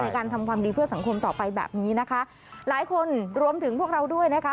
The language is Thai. การทำความดีเพื่อสังคมต่อไปแบบนี้นะคะหลายคนรวมถึงพวกเราด้วยนะคะ